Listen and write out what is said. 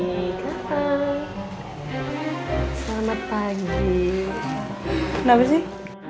gendeng gendeng kesini selamat pagi enggak sih